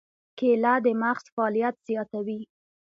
کېله د مغز فعالیت زیاتوي.